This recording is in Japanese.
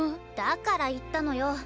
だから言ったのよ。